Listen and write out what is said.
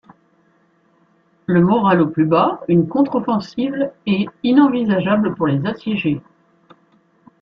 Le moral au plus bas, une contre-offensive est inenvisageable pour les assiégés.